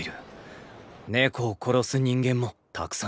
猫を殺す人間もたくさんいるんだ。